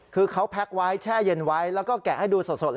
คือเขาแพ็คไว้แช่เย็นไว้แล้วก็แกะให้ดูสดเลย